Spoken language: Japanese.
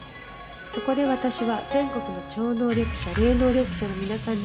「そこで私は全国の超能力者霊能力者の皆さんに挑戦します」